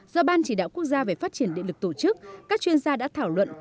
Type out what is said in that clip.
do ban chỉ đạo quốc gia về phát triển địa lực tổ chức các chuyên gia đã thảo luận